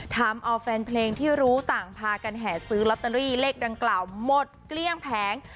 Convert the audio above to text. ทำเอาแฟนเพลงที่รู้ต่างพากันแห่ซื้อลอตเตอรี่เลขดังกล่าวหมดเกลี้ยงแผง